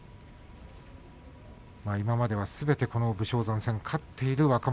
今まではすべてこの武将山戦を勝っている若元